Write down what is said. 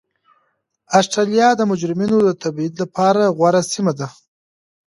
اسټرالیا د مجرمینو د تبعید لپاره غوره سیمه وه.